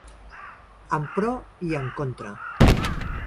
En pro i en contra.